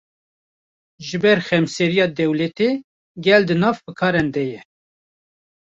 Ji ber xemsariya dewletê, gel di nav fikaran de ye